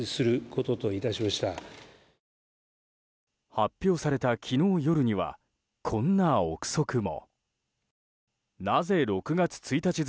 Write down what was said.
発表された昨日夜にはこんな憶測も。